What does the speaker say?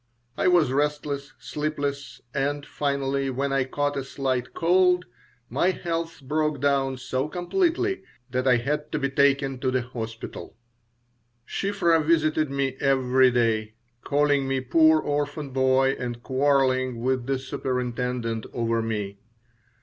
I was restless, sleepless, and finally, when I caught a slight cold, my health broke down so completely that I had to be taken to the hospital. Shiphrah visited me every day, calling me poor orphan boy and quarreling with the superintendent over me.